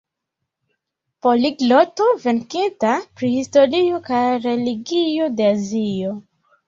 Poligloto verkinta pri historio kaj religio de Azio.